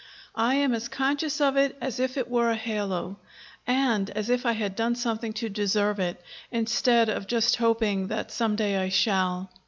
I am as conscious of it as if it were a halo, and as if I had done something to deserve it, instead of just hoping that someday I shall.